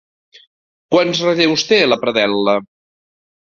Quants relleus té la predel·la?